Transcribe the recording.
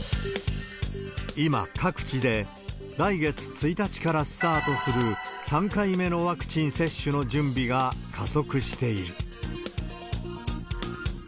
今、各地で来月１日からスタートする３回目のワクチン接種の準備が加速している。